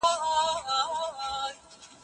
هانس کوېنیګزمان د الوتنې پر مهال ورسره ناست و.